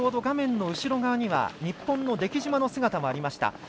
画面の後ろ側には日本の出来島の姿もありました。